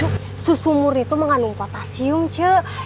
yang berfungsi untuk menggerakkan dinding pembuluh darahnya